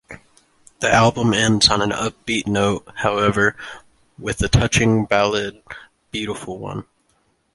The album ends on an upbeat note however, with the touching ballad, "Beautiful One".